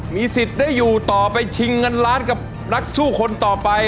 มีสิทธิ์ได้อยู่ต่อไปชิงเงินล้านกับนักสู้คนต่อไป